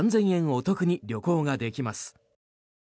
お得に旅行ができます。